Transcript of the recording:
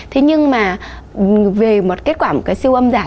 thế nhưng mà về một kết quả một cái siêu âm giả